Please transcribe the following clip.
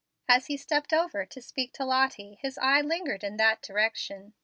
As he stepped over to speak to Lottie, his eye lingered in that direction.